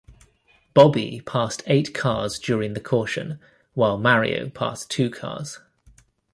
Bobby passed eight cars during the caution, while Mario passed two cars.